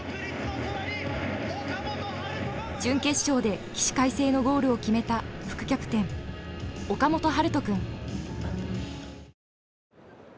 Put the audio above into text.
準決勝で起死回生のゴールを決めた副キャプテン岡本温叶君。